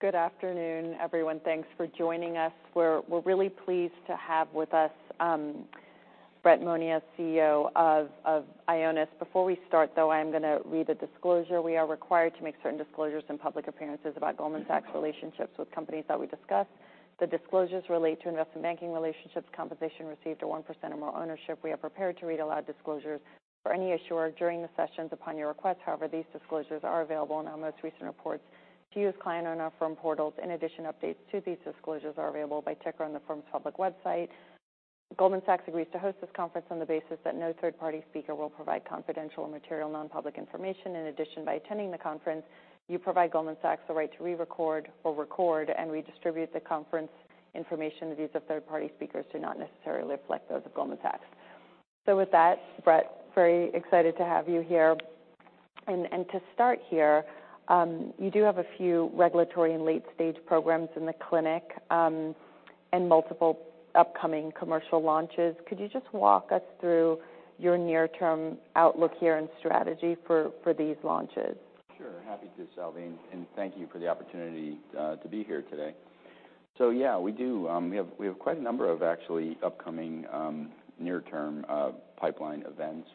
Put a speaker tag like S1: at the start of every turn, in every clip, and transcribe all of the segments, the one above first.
S1: Good afternoon, everyone. Thanks for joining us. We're really pleased to have with us Brett Monia, CEO of Ionis. Before we start, though, I am gonna read a disclosure. We are required to make certain disclosures in public appearances about Goldman Sachs' relationships with companies that we discuss. The disclosures relate to investment banking relationships, compensation received, or 1% or more ownership. We are prepared to read aloud disclosures for any issuer during the sessions upon your request. However, these disclosures are available in our most recent reports to you with client and our firm portals. In addition, updates to these disclosures are available by ticker on the firm's public website. Goldman Sachs agrees to host this conference on the basis that no third-party speaker will provide confidential or material non-public information. In addition, by attending the conference, you provide Goldman Sachs the right to re-record or record and redistribute the conference information. The views of third-party speakers do not necessarily reflect those of Goldman Sachs. With that, Brett, very excited to have you here. To start here, you do have a few regulatory and late-stage programs in the clinic, and multiple upcoming commercial launches. Could you just walk us through your near-term outlook here and strategy for these launches?
S2: Sure. Happy to, Salveen, and thank you for the opportunity to be here today. Yeah, we do, we have quite a number of actually upcoming near-term pipeline events,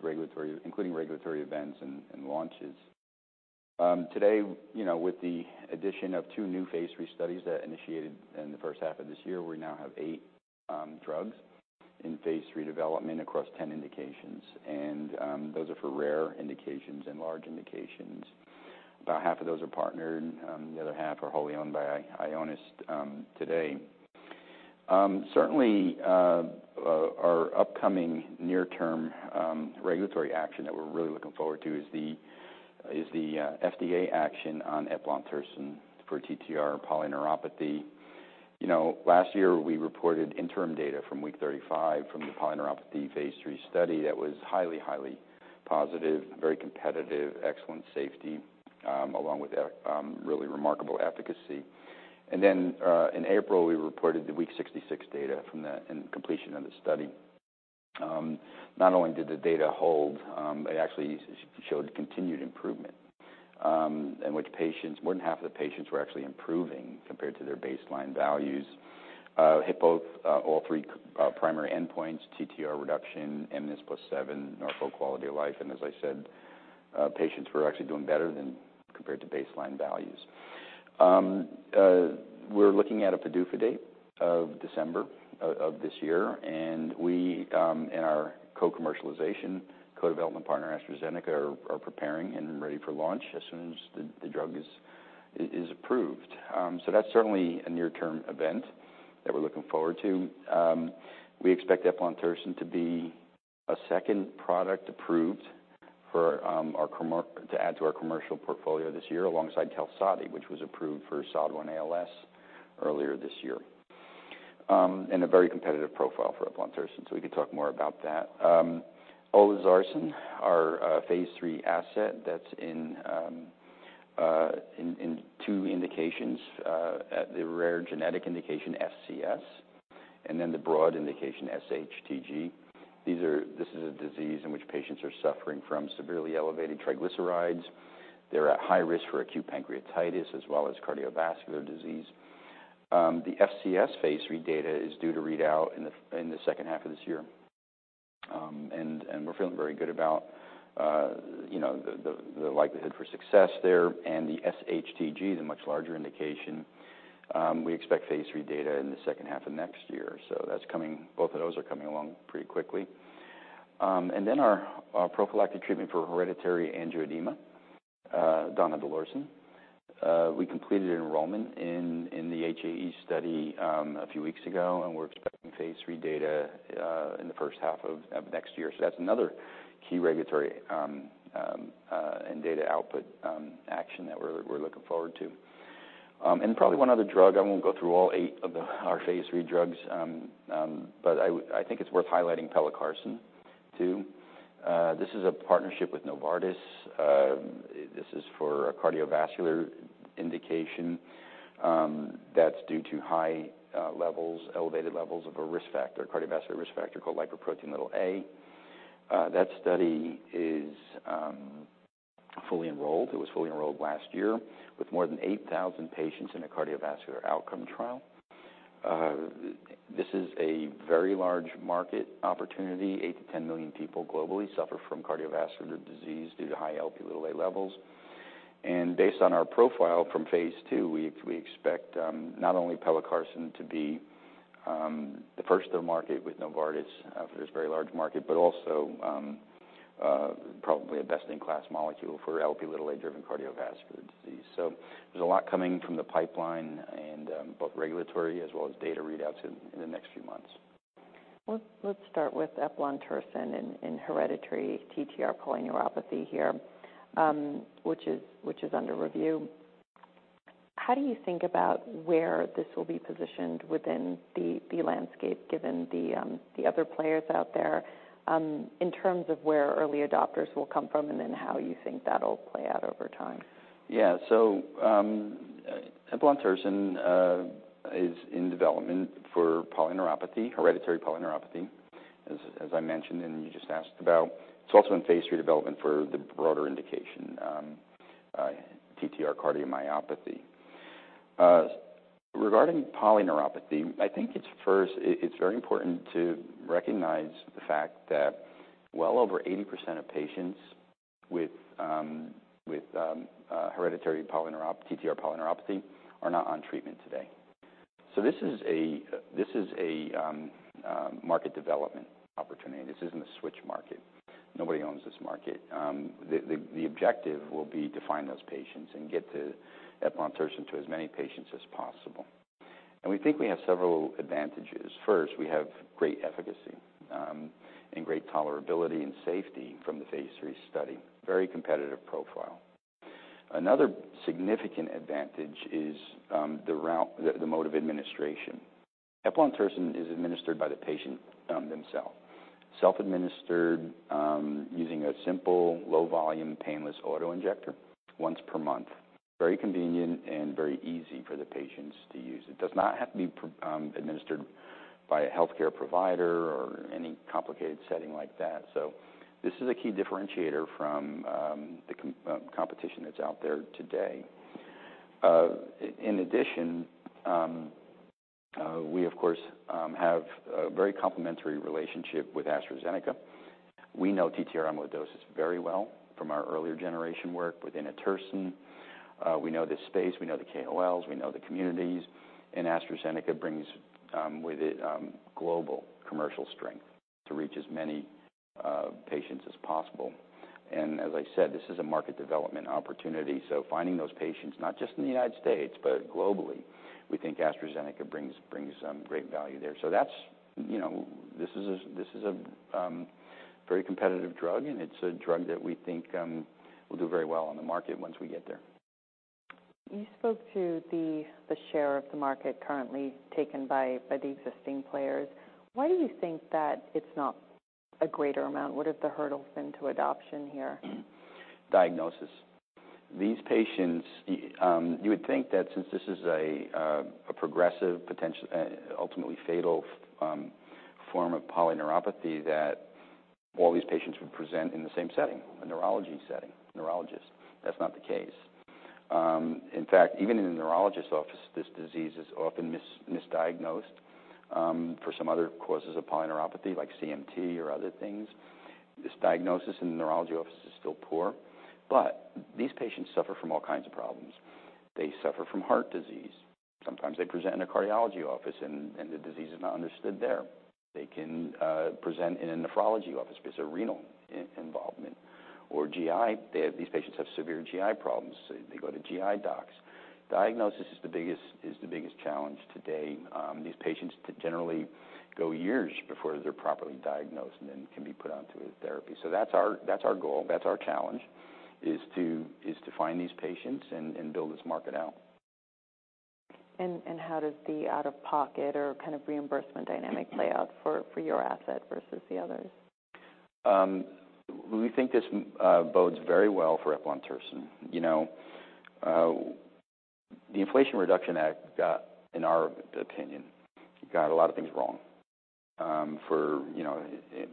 S2: including regulatory events and launches. Today, you know, with the addition of two phase III studies that initiated in the first half of this year, we now have eight drugs phase III development across 10 indications, and those are for rare indications and large indications. About half of those are partnered, the other half are wholly owned by Ionis today. Certainly, our upcoming near-term regulatory action that we're really looking forward to is the FDA action on eplontersen for TTR polyneuropathy. You know, last year, we reported interim data from week 35 from the phase III study. That was highly positive, very competitive, excellent safety, along with really remarkable efficacy. In April, we reported the week 66 data from the completion of the study. Not only did the data hold, it actually showed continued improvement in which patients, more than half of the patients were actually improving compared to their baseline values. Hit both all three primary endpoints, TTR reduction, mNIS+7, Neuropathic quality of life, and as I said, patients were actually doing better than compared to baseline values. We're looking at a PDUFA date of December of this year, and we and our co-commercialization, co-development partner, AstraZeneca, are preparing and ready for launch as soon as the drug is approved. That's certainly a near-term event that we're looking forward to. We expect eplontersen to be a second product approved to add to our commercial portfolio this year, alongside QALSODY, which was approved for SOD1-ALS earlier this year. A very competitive profile for eplontersen. We could talk more about that. Olezarsen, phase III asset that's in two indications, at the rare genetic indication, FCS, and the broad indication, SHTG. This is a disease in which patients are suffering from severely elevated triglycerides. They're at high risk for acute pancreatitis as well as cardiovascular disease. The phase III data is due to read out in the second half of this year. We're feeling very good about, you know, the likelihood for success there. The SHTG, the much larger indication, we phase III data in the second half of next year. That's coming, both of those are coming along pretty quickly. Our prophylactic treatment for hereditary angioedema, donidalorsen. We completed enrollment in the HAE study a few weeks ago, and we're phase III data in the first half of next year. That's another key regulatory and data output action that we're looking forward to. Probably one other drug. I won't go through all eight of phase III drugs, but I think it's worth highlighting pelacarsen too. This is a partnership with Novartis. This is for a cardiovascular indication, that's due to high levels, elevated levels of a risk factor, cardiovascular risk factor called lipoprotein(a). That study is fully enrolled. It was fully enrolled last year with more than 8,000 patients in a cardiovascular outcome trial. This is a very large market opportunity. 8 million-10 million people globally suffer from cardiovascular disease due to high Lp(a) levels. Based on our profile from phase II, we expect not only pelacarsen to be the first to market with Novartis, for this very large market, but also probably a best-in-class molecule for Lp(a)-driven cardiovascular disease. There's a lot coming from the pipeline and both regulatory as well as data readouts in the next few months.
S1: Let's start with eplontersen and hereditary TTR polyneuropathy here, which is under review. How do you think about where this will be positioned within the landscape, given the other players out there, in terms of where early adopters will come from, and then how you think that'll play out over time?
S2: Yeah. Eplontersen is in development for polyneuropathy, hereditary polyneuropathy. As I mentioned, and you just asked about, it's also phase III development for the broader indication, TTR cardiomyopathy. Regarding polyneuropathy, I think it's first, it's very important to recognize the fact that well over 80% of patients with TTR polyneuropathy are not on treatment today. This is a market development opportunity. This isn't a switch market. Nobody owns this market. The objective will be to find those patients and get eplontersen to as many patients as possible. We think we have several advantages. First, we have great efficacy, and great tolerability and safety from phase III study. Very competitive profile. Another significant advantage is the route, the mode of administration. eplontersen is administered by the patient themselves. Self-administered using a simple, low-volume, painless auto-injector once per month. Very convenient and very easy for the patients to use. It does not have to be administered by a healthcare provider or any complicated setting like that. This is a key differentiator from the competition that's out there today. In addition, we, of course, have a very complementary relationship with AstraZeneca. We know TTR amyloidosis very well from our earlier generation work within inotersen. We know this space, we know the KOLs, we know the communities, AstraZeneca brings with it global commercial strength to reach as many patients as possible. As I said, this is a market development opportunity, so finding those patients, not just in the United States, but globally, we think AstraZeneca brings great value there. That's, you know, this is a very competitive drug, and it's a drug that we think will do very well on the market once we get there.
S1: You spoke to the share of the market currently taken by the existing players. Why do you think that it's not a greater amount? What have the hurdles been to adoption here?
S2: Diagnosis. These patients, you would think that since this is a progressive, potential, ultimately fatal, form of polyneuropathy, that all these patients would present in the same setting, a neurology setting, neurologist. That's not the case. In fact, even in a neurologist's office, this disease is often misdiagnosed for some other causes of polyneuropathy, like CMT or other things. This diagnosis in the neurology office is still poor, but these patients suffer from all kinds of problems. They suffer from heart disease. Sometimes they present in a cardiology office, and the disease is not understood there. They can present in a nephrology office because of renal involvement or GI. These patients have severe GI problems. They go to GI docs. Diagnosis is the biggest challenge today. These patients generally go years before they're properly diagnosed and then can be put onto a therapy. That's our goal, that's our challenge, is to find these patients and build this market out.
S1: How does the out-of-pocket or kind of reimbursement dynamic play out for your asset versus the others?
S2: We think this bodes very well for eplontersen. You know, the Inflation Reduction Act got, in our opinion, got a lot of things wrong. For, you know, it's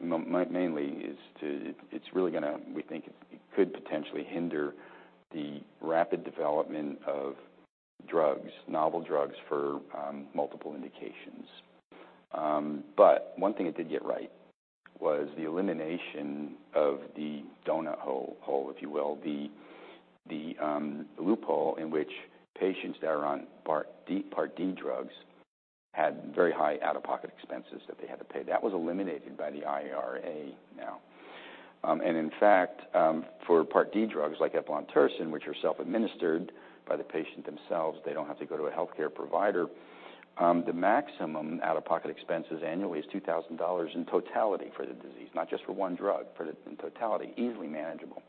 S2: really gonna, we think, it could potentially hinder the rapid development of drugs, novel drugs for multiple indications. One thing it did get right was the elimination of the donut hole, if you will, the loophole in which patients that are on Part D drugs had very high out-of-pocket expenses that they had to pay. That was eliminated by the IRA now. In fact, for Part D drugs like eplontersen, which are self-administered by the patient themselves, they don't have to go to a healthcare provider, the maximum out-of-pocket expenses annually is $2,000 in totality for the disease, not just for one drug, for the, in totality. Easily manageable.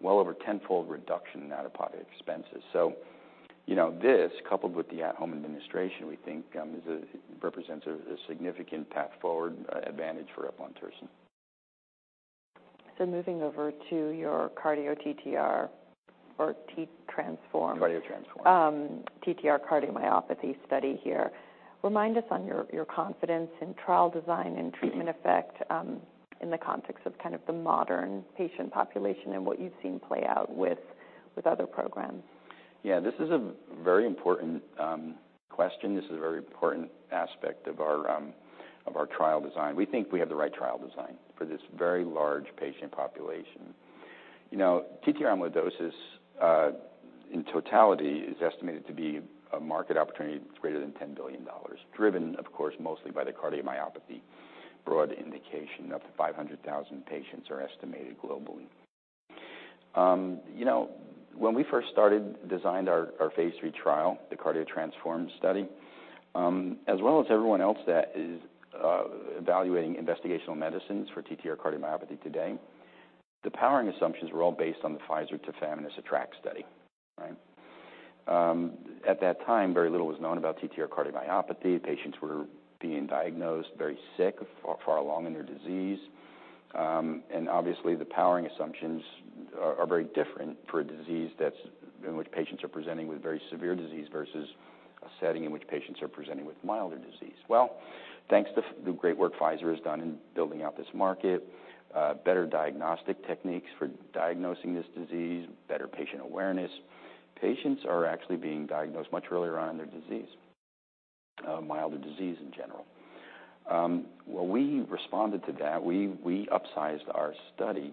S2: Well over 10-fold reduction in out-of-pocket expenses. You know, this, coupled with the at-home administration, we think represents a significant path forward advantage for eplontersen.
S1: Moving over to your cardio TTR or T transform.
S2: CARDIO-TTRansform.
S1: TTR cardiomyopathy study here. Remind us on your confidence in trial design and treatment effect, in the context of kind of the modern patient population and what you've seen play out with other programs?
S2: This is a very important question. This is a very important aspect of our trial design. We think we have the right trial design for this very large patient population. You know, TTR amyloidosis, in totality, is estimated to be a market opportunity that's greater than $10 billion, driven, of course, mostly by the cardiomyopathy. Broad indication, up to 500,000 patients are estimated globally. You know, when we first started, designed our phase III trial, the CARDIO-TTRansform study, as well as everyone else that is evaluating investigational medicines for TTR cardiomyopathy today, the powering assumptions were all based on the Pfizer tafamidis ATTR-ACT study, right? At that time, very little was known about TTR cardiomyopathy. Patients were being diagnosed very sick, far along in their disease. Obviously, the powering assumptions are very different for a disease that's, in which patients are presenting with very severe disease versus a setting in which patients are presenting with milder disease. Well, thanks to the great work Pfizer has done in building out this market, better diagnostic techniques for diagnosing this disease, better patient awareness. Patients are actually being diagnosed much earlier on in their disease, milder disease in general. Well, we responded to that. We upsized our study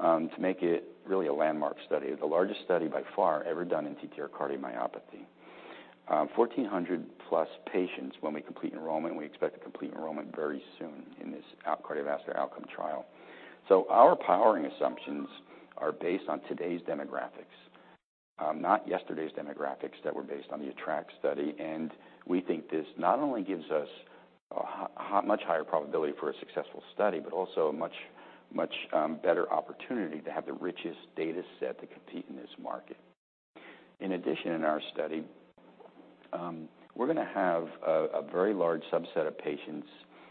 S2: to make it really a landmark study, the largest study by far ever done in TTR cardiomyopathy. 1,400 plus patients when we complete enrollment, we expect to complete enrollment very soon in this cardiovascular outcome trial. Our powering assumptions are based on today's demographics, not yesterday's demographics that were based on the tafamidis ATTR-ACT study. We think this not only gives us a much higher probability for a successful study, but also a much better opportunity to have the richest data set to compete in this market. In addition, in our study, we're gonna have a very large subset of patients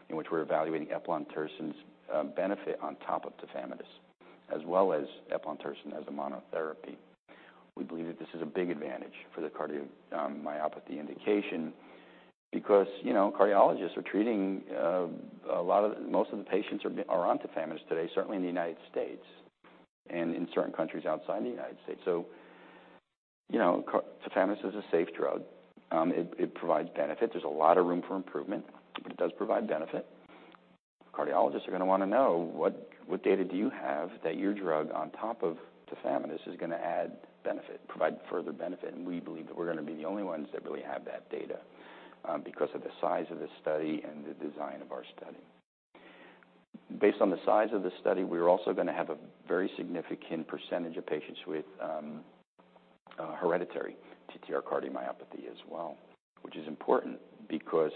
S2: in which we're evaluating eplontersen's benefit on top of tafamidis, as well as eplontersen as a monotherapy. We believe that this is a big advantage for the cardiomyopathy indication because, you know, cardiologists are treating, a lot of... Most of the patients are on tafamidis today, certainly in the United States and in certain countries outside the United States. You know, tafamidis is a safe drug. It provides benefit. There's a lot of room for improvement, but it does provide benefit. Cardiologists are gonna wanna know: What data do you have that your drug on top of tafamidis is gonna add benefit, provide further benefit? We believe that we're gonna be the only ones that really have that data because of the size of the study and the design of our study. Based on the size of the study, we are also gonna have a very significant percentage of patients with hereditary TTR cardiomyopathy as well, which is important because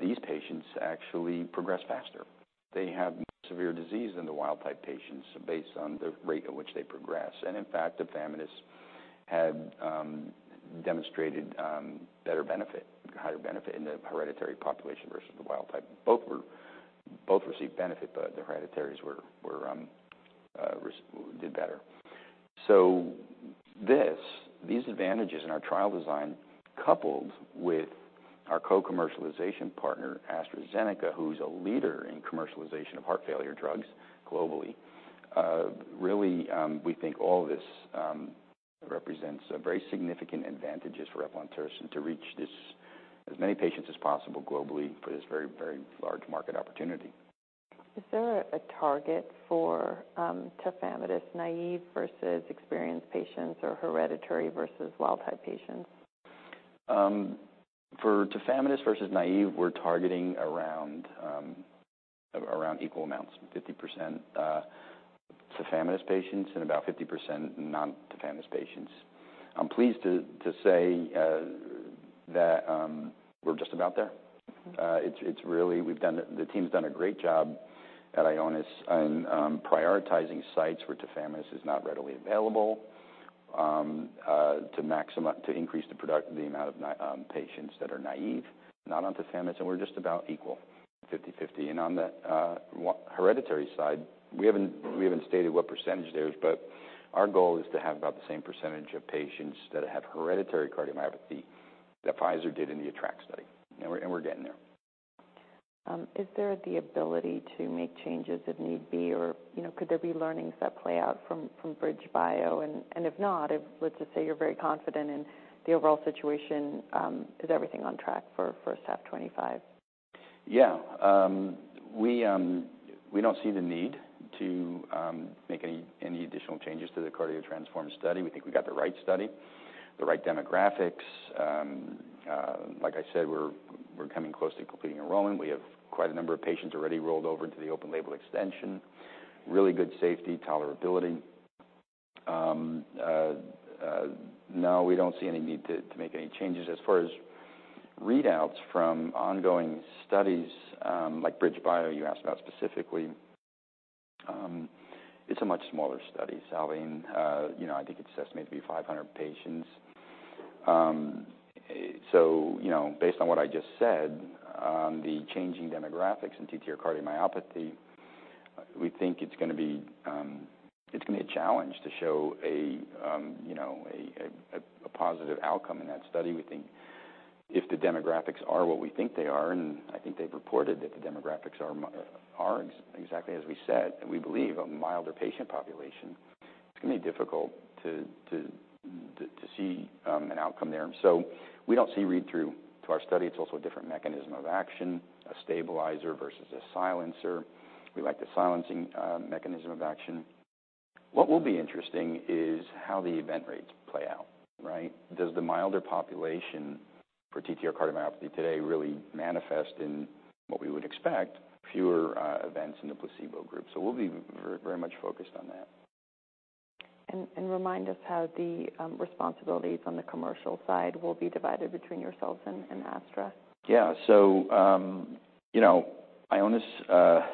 S2: these patients actually progress faster. They have severe disease than the wild-type patients based on the rate at which they progress. In fact, tafamidis had demonstrated better benefit, higher benefit in the hereditary population versus the wild type. Both received benefit, but the hereditaries did better. These advantages in our trial design, coupled with our co-commercialization partner, AstraZeneca, who's a leader in commercialization of heart failure drugs globally, we think all of this represents a very significant advantages for eplontersen to reach this, as many patients as possible globally for this very, very large market opportunity.
S1: Is there a target for tafamidis, naive versus experienced patients or hereditary versus wild-type patients?
S2: For tafamidis versus naive, we're targeting around equal amounts, 50%, tafamidis patients and about 50% non-tafamidis patients. I'm pleased to say that we're just about there.
S1: Mm-hmm.
S2: The team's done a great job at Ionis on prioritizing sites where tafamidis is not readily available to increase the product, the amount of patients that are naive, not on tafamidis, and we're just about equal, 50/50. On the hereditary side, we haven't stated what percentage there is, but our goal is to have about the same percentage of patients that have hereditary cardiomyopathy that Pfizer did in the ATTR-ACT study, and we're getting there.
S1: Is there the ability to make changes if need be, or, you know, could there be learnings that play out from BridgeBio? If not, if, let's just say, you're very confident in the overall situation, is everything on track for first half 25?
S2: Yeah. We don't see the need to make any additional changes to the CARDIO-TTRansform study. We think we got the right study, the right demographics. Like I said, we're coming close to completing enrollment. We have quite a number of patients already rolled over into the open-label extension. Really good safety tolerability. No, we don't see any need to make any changes. As far as readouts from ongoing studies, like BridgeBio, you asked about specifically, it's a much smaller study, Savine. You know, I think it's estimated to be 500 patients. You know, based on what I just said, the changing demographics in TTR cardiomyopathy, we think it's gonna be, it's gonna be a challenge to show a positive outcome in that study. We think if the demographics are what we think they are, and I think they've reported that the demographics are exactly as we said, and we believe a milder patient population, it's gonna be difficult to see an outcome there. We don't see readthrough to our study. It's also a different mechanism of action, a stabilizer versus a silencer. We like the silencing mechanism of action. What will be interesting is how the event rates play out, right? Does the milder population for TTR cardiomyopathy today really manifest in what we would expect, fewer events in the placebo group? We'll be very, very much focused on that.
S1: Remind us how the responsibilities on the commercial side will be divided between yourselves and Astra?
S2: Yeah. You know, Ionis,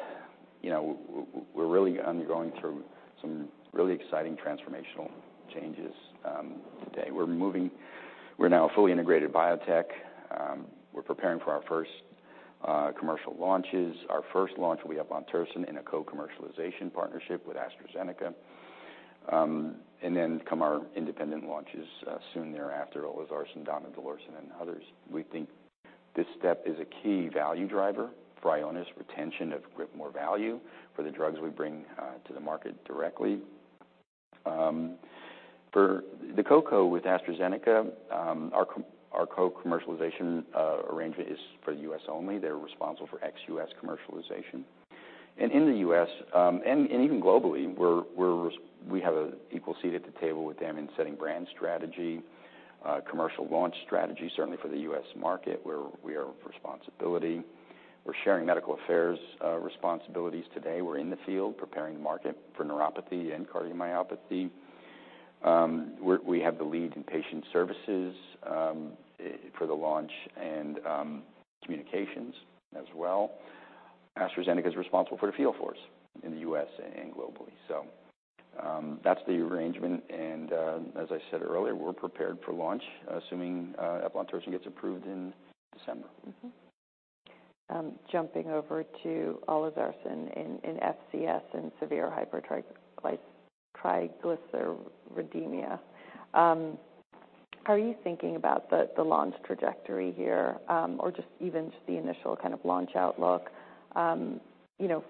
S2: we're really undergoing through some really exciting transformational changes. Today, we're moving. We're now a fully integrated biotech. We're preparing for our first commercial launches. Our first launch will be eplontersen in a co-commercialization partnership with AstraZeneca. Come our independent launches soon thereafter, olezarsen, donidalorsen, and others. We think this step is a key value driver for Ionis, retention of more value for the drugs we bring to the market directly. For the co-co with AstraZeneca, our co-commercialization arrangement is for the US only. They're responsible for ex-US commercialization. In the US, even globally, we have an equal seat at the table with them in setting brand strategy, commercial launch strategy. Certainly for the US market, where we are responsibility. We're sharing medical affairs responsibilities today. We're in the field preparing the market for neuropathy and cardiomyopathy. We have the lead in patient services for the launch and communications as well. AstraZeneca is responsible for the field force in the U.S. and globally. That's the arrangement, and as I said earlier, we're prepared for launch, assuming eplontersen gets approved in December.
S1: Jumping over to olezarsen in FCS and severe hypertriglyceridemia. How are you thinking about the launch trajectory here, or just even just the initial kind of launch outlook? You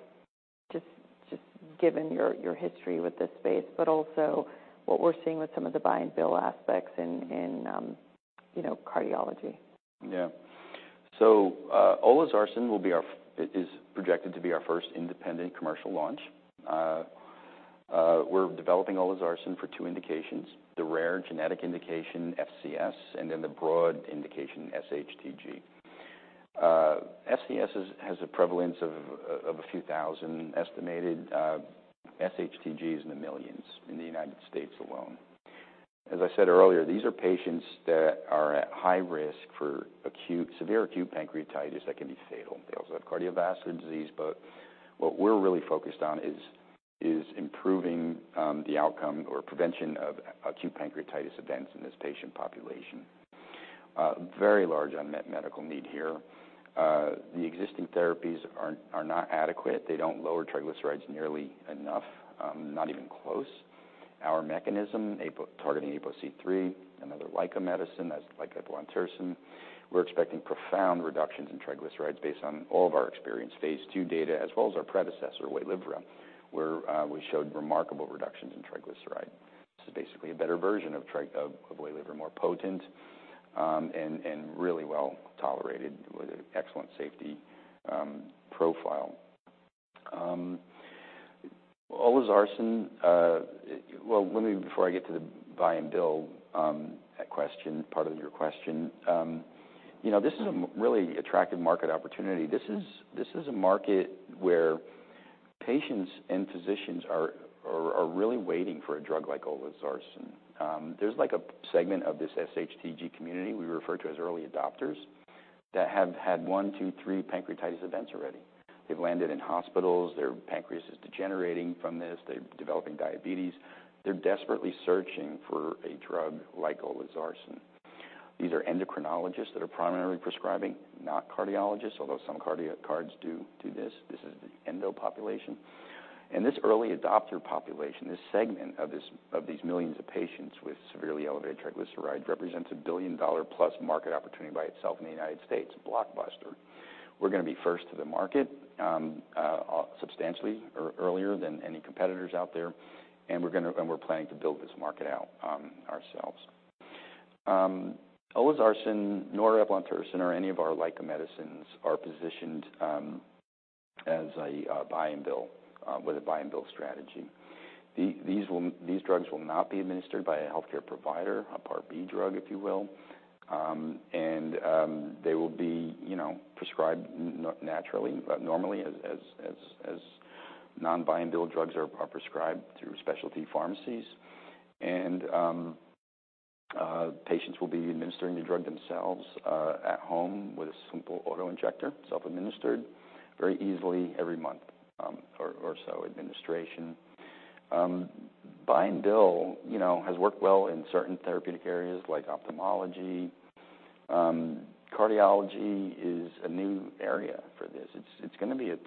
S1: know, just given your history with this space, but also what we're seeing with some of the buy and bill aspects in, you know, cardiology.
S2: Yeah. olezarsen is projected to be our first independent commercial launch. We're developing olezarsen for two indications, the rare genetic indication, FCS, and the broad indication, SHTG. FCS has a prevalence of a few thousand estimated, SHTG is in the millions in the United States alone. As I said earlier, these are patients that are at high risk for acute, severe acute pancreatitis that can be fatal. They also have cardiovascular disease, what we're really focused on is improving the outcome or prevention of acute pancreatitis events in this patient population. Very large unmet medical need here. The existing therapies are not adequate. They don't lower triglycerides nearly enough, not even close. Our mechanism, targeting APOC3, another LICA medicine that's like eplontersen. We're expecting profound reductions in triglycerides based on all of our experience, phase two data, as well as our predecessor, WAYLIVRA, where we showed remarkable reductions in triglyceride. This is basically a better version of WAYLIVRA, more potent, and really well-tolerated with an excellent safety profile. olezarsen, well, let me before I get to the buy and bill, that question, part of your question. You know, this is a really attractive market opportunity. This is a market where patients and physicians are really waiting for a drug like olezarsen. There's like a segment of this SHTG community we refer to as early adopters that have had one, two, three pancreatitis events already. They've landed in hospitals. Their pancreas is degenerating from this. They're developing diabetes. They're desperately searching for a drug like olezarsen. These are endocrinologists that are primarily prescribing, not cardiologists, although some cardiac cards do this. This is the endo population, and this early adopter population, this segment of these millions of patients with severely elevated triglycerides, represents a $1 billion-plus market opportunity by itself in the United States. Blockbuster. We're gonna be first to the market, substantially or earlier than any competitors out there. We're planning to build this market out ourselves. Olezarsen, nor eplontersen or any of our LICA medicines are positioned as a buy and bill with a buy and bill strategy. These drugs will not be administered by a healthcare provider, a Part B drug, if you will. They will be, you know, prescribed naturally, normally, as non-buy and bill drugs are prescribed through specialty pharmacies. Patients will be administering the drug themselves at home with a simple auto-injector, self-administered very easily every month or so, administration. Buy and bill, you know, has worked well in certain therapeutic areas like ophthalmology. Cardiology is a new area for this. It's gonna be a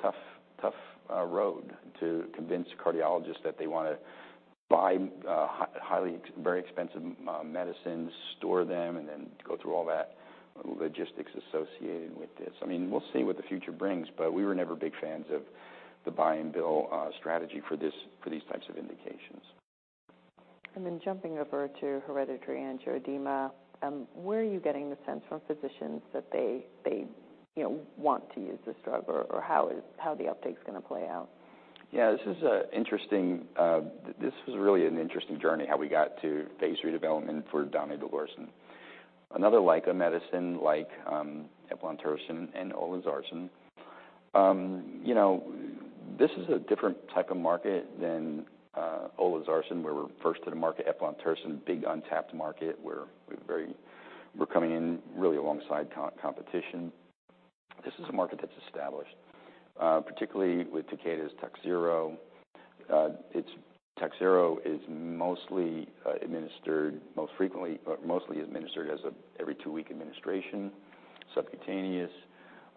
S2: tough road to convince cardiologists that they wanna buy highly, very expensive medicines, store them, and then go through all that logistics associated with this. I mean, we'll see what the future brings, but we were never big fans of the buy and bill strategy for this, for these types of indications.
S1: Jumping over to hereditary angioedema, where are you getting the sense from physicians that they, you know, want to use this drug, or how the uptake's gonna play out?
S2: Yeah, this is an interesting. This was really an interesting journey, how we got phase III development for donidalorsen. Another LICA medicine like eplontersen and olezarsen. You know, this is a different type of market than olezarsen, where we're first to the market, eplontersen, big untapped market, where we're coming in really alongside competition. This is a market that's established, particularly with Takeda's TAK-743. It's TAK-743 is mostly administered most frequently, but mostly administered as an every two week administration, subcutaneous.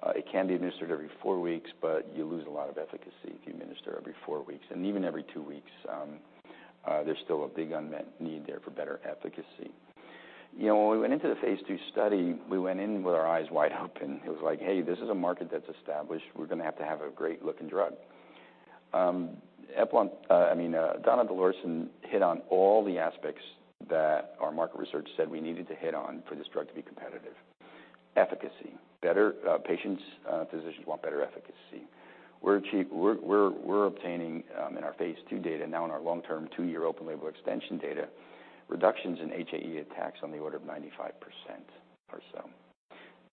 S2: It can be administered every four weeks, but you lose a lot of efficacy if you administer every four weeks. Even every two weeks, there's still a big unmet need there for better efficacy. You know, when we went into the phase II study, we went in with our eyes wide open. It was like: Hey, this is a market that's established. We're gonna have to have a great-looking drug. donidalorsen hit on all the aspects that our market research said we needed to hit on for this drug to be competitive. Efficacy. Better patients, physicians want better efficacy. We're cheap. We're obtaining in our phase II data now, in our long-term, two-year open-label extension data, reductions in HAE attacks on the order of 95% or so.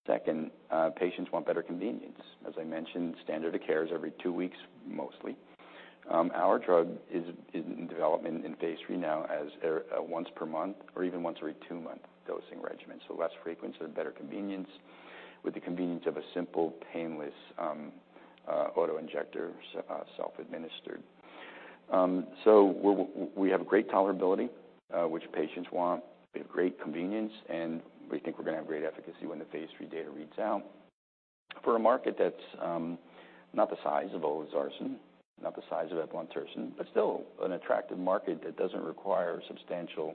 S2: Second, patients want better convenience. As I mentioned, standard of care is every two weeks, mostly. Our drug is in development phase III now, as a once per month or even once every two-month dosing regimen. Less frequency and better convenience, with the convenience of a simple, painless auto-injector, self-administered. We have a great tolerability, which patients want. We have great convenience, and we think we're gonna have great efficacy when phase III data reads out. For a market that's not the size of olezarsen, not the size of eplontersen, but still an attractive market that doesn't require substantial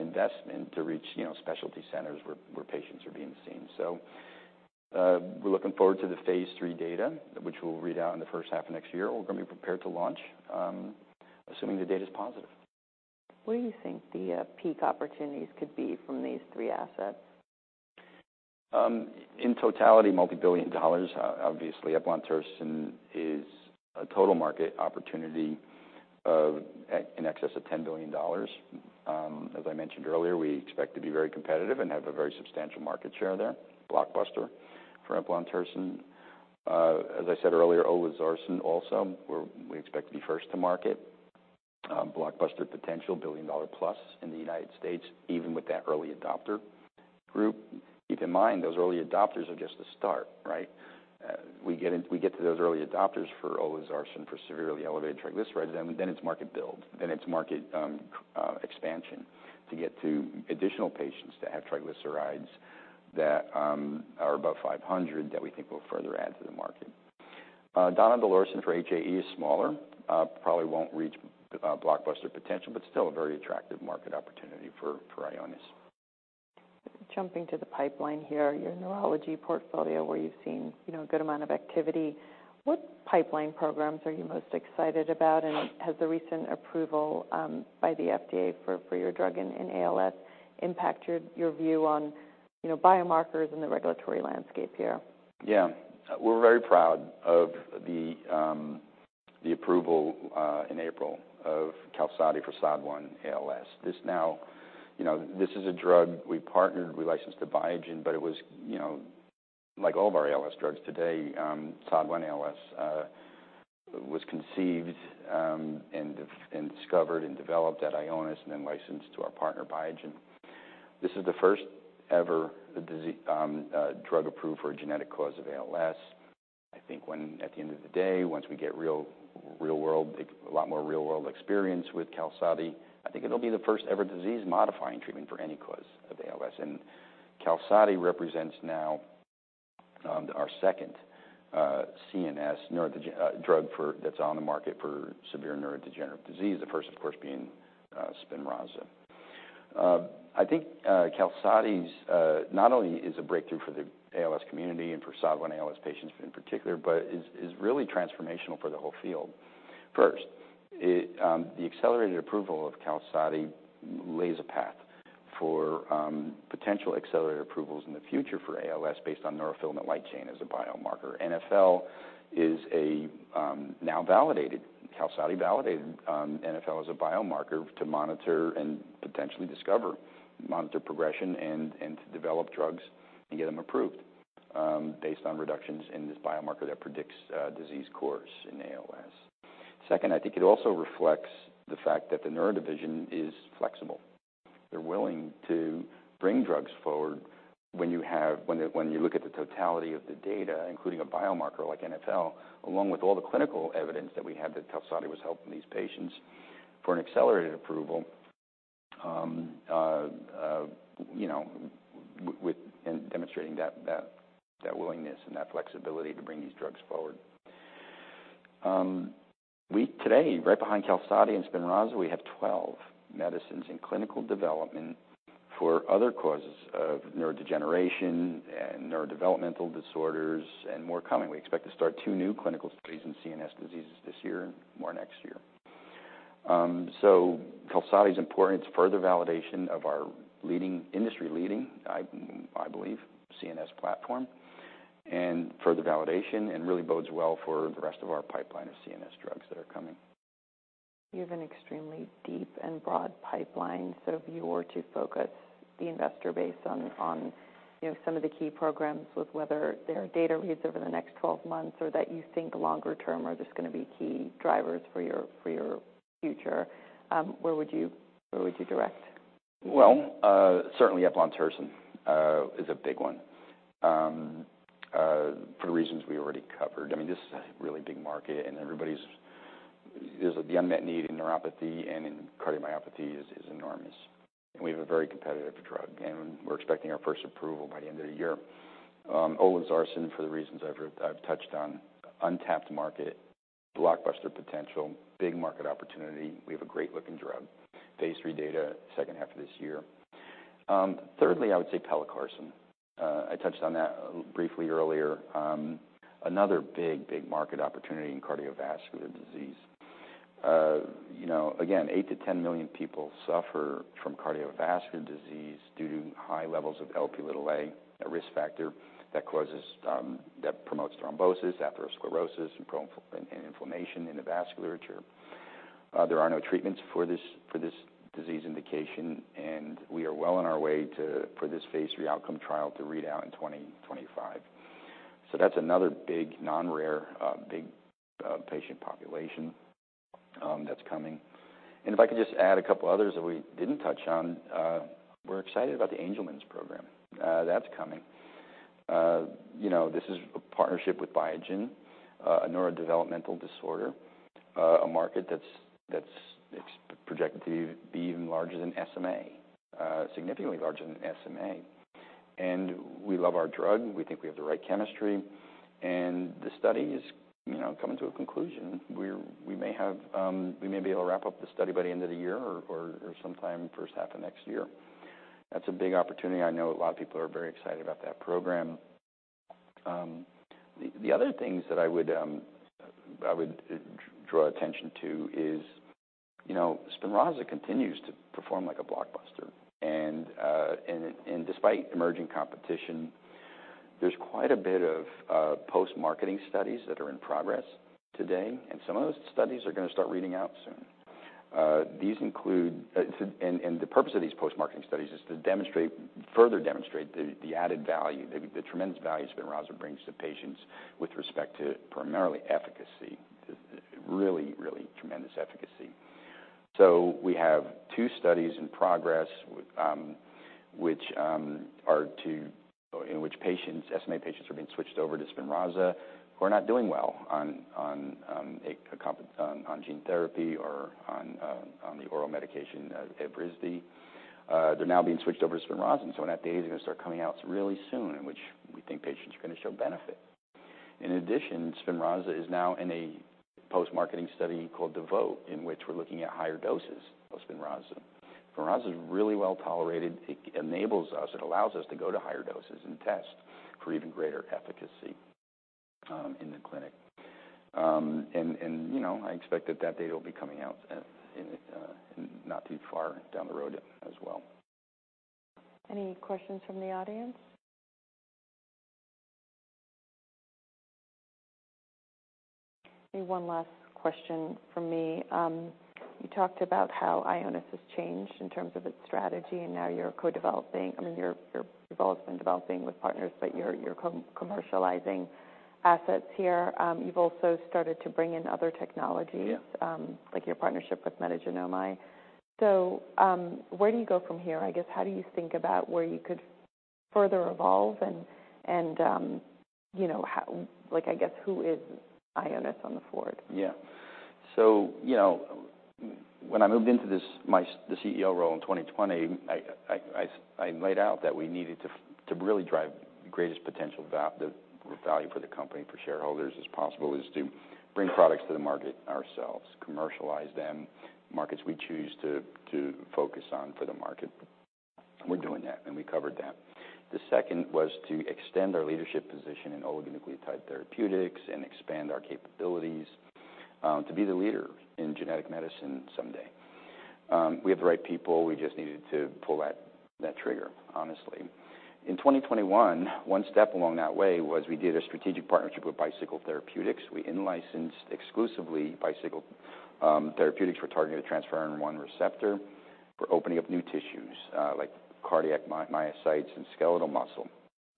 S2: investment to reach, you know, specialty centers where patients are being seen. We're looking forward to phase III data, which will read out in the first half of next year. We're gonna be prepared to launch, assuming the data is positive.
S1: What do you think the peak opportunities could be from these three assets?
S2: In totality, multi-billion dollars. Obviously, eplontersen is a total market opportunity of, in excess of $10 billion. As I mentioned earlier, we expect to be very competitive and have a very substantial market share there. Blockbuster for eplontersen. As I said earlier, olezarsen also, we expect to be first to market. Blockbuster potential, $1 billion-plus in the United States, even with that early adopter group. Keep in mind, those early adopters are just the start, right? We get to those early adopters for olezarsen, for severely elevated triglycerides, and then it's market build, then it's market expansion to get to additional patients that have triglycerides that are above 500, that we think will further add to the market. Donidalorsen for HAE is smaller, probably won't reach blockbuster potential, but still a very attractive market opportunity for Ionis.
S1: Jumping to the pipeline here, your neurology portfolio, where you've seen, you know, a good amount of activity. What pipeline programs are you most excited about? Has the recent approval by the FDA for your drug in ALS, impacted your view on, you know, biomarkers in the regulatory landscape here?
S2: Yeah, we're very proud of the approval in April of QALSODY for SOD1-ALS. You know, this is a drug we partnered, we licensed to Biogen, but it was, you know, like all of our ALS drugs today, SOD1-ALS was conceived and discovered and developed at Ionis, and then licensed to our partner, Biogen. This is the first ever drug approved for a genetic cause of ALS. I think when, at the end of the day, once we get real-world, a lot more real-world experience with QALSODY, I think it'll be the first-ever disease-modifying treatment for any cause of ALS. QALSODY represents now our second CNS drug for, that's on the market for severe neurodegenerative disease. The first, of course, being SPINRAZA. I think QALSODY's not only is a breakthrough for the ALS community and for SOD1-ALS patients in particular, but is really transformational for the whole field. First, the accelerated approval of QALSODY lays a path for potential accelerated approvals in the future for ALS, based on neurofilament light chain as a biomarker. NfL is a now validated. QALSODY validated NfL as a biomarker to monitor and potentially discover, monitor progression and to develop drugs and get them approved based on reductions in this biomarker that predicts disease course in ALS. Second, I think it also reflects the fact that the neuro division is flexible. They're willing to bring drugs forward when you look at the totality of the data, including a biomarker like NfL, along with all the clinical evidence that we had, that QALSODY was helping these patients for an accelerated approval, you know, with demonstrating that willingness and that flexibility to bring these drugs forward. We, today, right behind QALSODY and SPINRAZA, we have 12 medicines in clinical development for other causes of neurodegeneration and neurodevelopmental disorders, and more coming. We expect to start two new clinical studies in CNS diseases this year and more next year. QALSODY is important. It's further validation of our leading, industry-leading, I believe, CNS platform, and further validation, and really bodes well for the rest of our pipeline of CNS drugs that are coming.
S1: You have an extremely deep and broad pipeline. If you were to focus the investor base on, you know, some of the key programs with whether their data reads over the next 12 months or that you think longer term are just gonna be key drivers for your future, where would you, where would you direct?
S2: Well, certainly eplontersen is a big one, for the reasons we already covered. I mean, this is a really big market, and everybody's, there's the unmet need in neuropathy and in cardiomyopathy is enormous, and we have a very competitive drug, and we're expecting our first approval by the end of the year. olezarsen, for the reasons I've touched on, untapped market, blockbuster potential, big market opportunity. We have a great-looking phase III data, second half of this year. Thirdly, I would say pelacarsen. I touched on that briefly earlier. Another big market opportunity in cardiovascular disease. You know, again, eight to million-10 million people suffer from cardiovascular disease due to high levels of Lp(a), a risk factor that causes, that promotes thrombosis, atherosclerosis, and pro- and inflammation in the vasculature. There are no treatments for this disease indication, and we are well on our way for phase III outcome trial to read out in 2025. That's another big, non-rare, big patient population that's coming. If I could just add a couple others that we didn't touch on. We're excited about the Angelman syndrome program that's coming. You know, this is a partnership with Biogen, a neurodevelopmental disorder, a market that's, it's projected to be even larger than SMA, significantly larger than SMA. We love our drug. We think we have the right chemistry, and the study is, you know, coming to a conclusion. We may have, we may be able to wrap up the study by the end of the year or sometime first half of next year. That's a big opportunity. I know a lot of people are very excited about that program. The other things that I would draw attention to is, you know, SPINRAZA continues to perform like a blockbuster. Despite emerging competition, there's quite a bit of post-marketing studies that are in progress today, and some of those studies are gonna start reading out soon. These include, and the purpose of these post-marketing studies is to demonstrate, further demonstrate the added value, the tremendous value SPINRAZA brings to patients with respect to primarily efficacy. Really tremendous efficacy. We have two studies in progress, which are to... SMA patients are being switched over to SPINRAZA, who are not doing well on gene therapy or on the oral medication, Evrysdi. They're now being switched over to SPINRAZA, that data is gonna start coming out really soon, in which we think patients are gonna show benefit. In addition, SPINRAZA is now in a post-marketing study called DEVOTE, in which we're looking at higher doses of SPINRAZA. SPINRAZA is really well tolerated. It allows us to go to higher doses and test for even greater efficacy in the clinic. You know, I expect that data will be coming out in not too far down the road as well.
S1: Any questions from the audience? Maybe one last question from me. You talked about how Ionis has changed in terms of its strategy, now you're co-developing. I mean, you're involved in developing with partners, but you're commercializing assets here. You've also started to bring in other technologies-
S2: Yeah.
S1: like your partnership with Metagenomi. Where do you go from here? I guess, how do you think about where you could further evolve and, you know, Like, I guess, who is Ionis on the forward?
S2: You know, when I moved into this, the CEO role in 2020, I laid out that we needed to really drive the greatest potential value for the company, for shareholders as possible, is to bring products to the market ourselves, commercialize them, markets we choose to focus on for the market. We're doing that, and we covered that. The second was to extend our leadership position in oligonucleotide therapeutics and expand our capabilities to be the leader in genetic medicine someday. We have the right people. We just needed to pull that trigger, honestly. In 2021, one step along that way was we did a strategic partnership with Bicycle Therapeutics. We in-licensed exclusively Bicycle Therapeutics for targeting the transferrin receptor 1 for opening up new tissues like cardiac myocytes and skeletal muscle.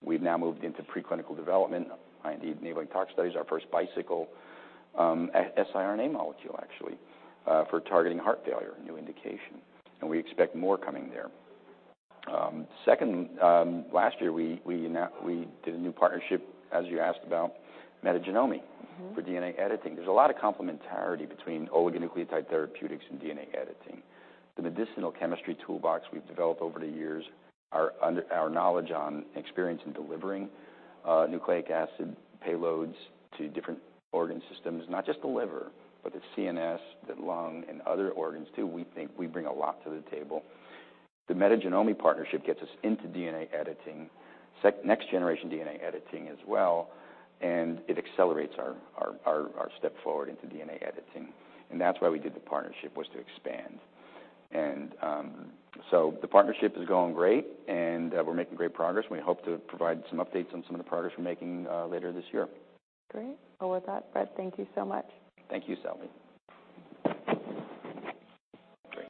S2: We've now moved into preclinical development, indeed, enabling tox studies, our first Bicycle siRNA molecule, actually, for targeting heart failure, a new indication, and we expect more coming there. Second, last year, we did a new partnership, as you asked about Metagenomi.
S1: Mm-hmm.
S2: for DNA editing. There's a lot of complementarity between oligonucleotide therapeutics and DNA editing. The medicinal chemistry toolbox we've developed over the years, our knowledge on experience in delivering nucleic acid payloads to different organ systems. Not just the liver, but the CNS, the lung, and other organs, too. We think we bring a lot to the table. The Metagenomi partnership gets us into DNA editing, next generation DNA editing as well. It accelerates our step forward into DNA editing. That's why we did the partnership, was to expand. The partnership is going great. We're making great progress. We hope to provide some updates on some of the progress we're making later this year.
S1: Great! Well, with that, Brett, thank you so much.
S2: Thank you, Sally. Great.